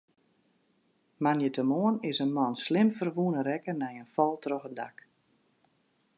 Moandeitemoarn is in man slim ferwûne rekke nei in fal troch in dak.